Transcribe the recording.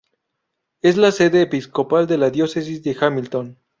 Es la sede episcopal de la diócesis de Hamilton.